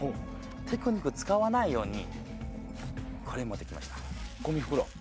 テクニック使わないようにこれ持ってきました。